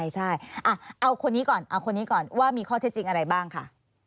ใช่เอาคนนี้ก่อนว่ามีข้อเท็จจริงอะไรบ้างค่ะ